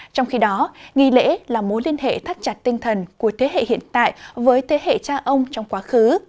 trong khi đó nghi lễ là mối liên hệ thắt chặt tinh thần của thế hệ hiện tại với thế hệ cha ông trong quá khứ